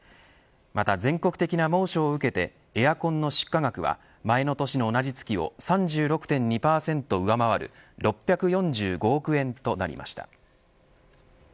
また、全国的な猛暑を受けてエアコンの出荷額は前の年の同じ月を３６．２％上回る６４５億円となりました。